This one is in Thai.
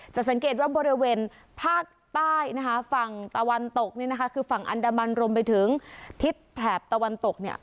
สังเกตว่าบริเวณภาคใต้นะคะฝั่งตะวันตกเนี่ยนะคะคือฝั่งอันดามันรวมไปถึงทิศแถบตะวันตกเนี่ย